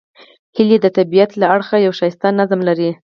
هیلۍ د طبیعت له اړخه یو ښایسته نظم لري